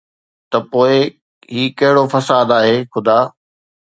ته پوءِ هي ڪهڙو فساد آهي خدا؟